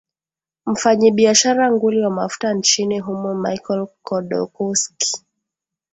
mfanyabiashara nguli wa mafuta nchini humo michael kodokoski